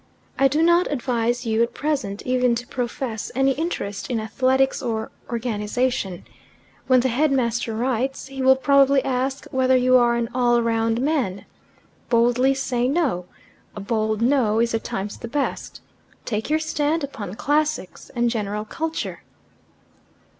"I do not advise you at present even to profess any interest in athletics or organization. When the headmaster writes, he will probably ask whether you are an all round man. Boldly say no. A bold 'no' is at times the best. Take your stand upon classics and general culture."